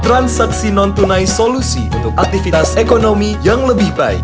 transaksi non tunai solusi untuk aktivitas ekonomi yang lebih baik